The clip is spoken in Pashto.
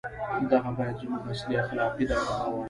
• دغه باید زموږ اصلي اخلاقي دغدغه وای.